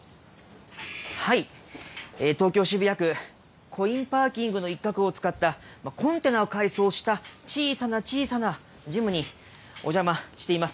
東京・渋谷区、コインパーキングの一角を使った、コンテナを改装した小さな小さなジムにお邪魔しています。